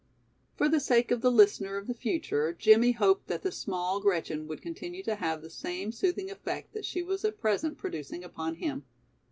For the sake of the listener of the future Jimmie hoped that the small Gretchen would continue to have the same soothing effect that she was at present producing upon him.